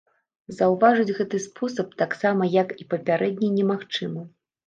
Заўважыць гэты спосаб, таксама як і папярэдні, немагчыма.